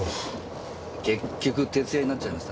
結局徹夜になっちゃいましたね。